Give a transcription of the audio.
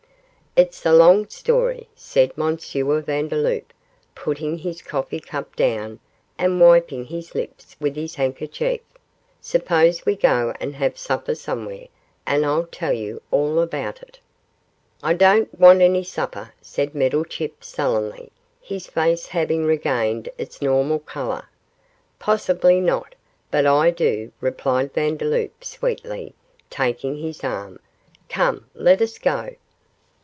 'It's a long story,' said M. Vandeloup, putting his coffee cup down and wiping his lips with his handkerchief; 'suppose we go and have supper somewhere, and I'll tell you all about it.' 'I don't want any supper,' said Meddlechip, sullenly, his face having regained its normal colour. 'Possibly not, but I do,' replied Vandeloup, sweetly, taking his arm; 'come, let us go.